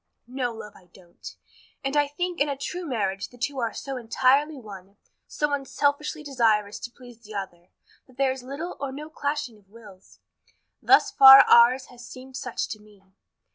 "No, love, I don't; and I think in a true marriage the two are so entirely one so unselfishly desirous each to please the other that there is little or no clashing of wills. Thus far ours has seemed such to me.